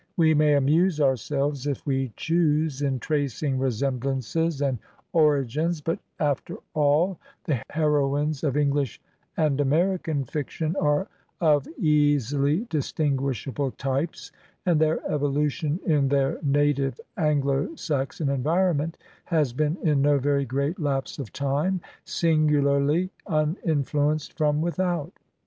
We may amuse ourselves, if we choose, in tracing resemblances and origins; but, after Digitized by VjOOQIC HEROINES OF FICTION all, the heroines of English and American fiction are of easily distinguishable types, and their evolution in their native Anglo Saxon environment has been, in no very great lapse of time, singularly uninfluenced from without.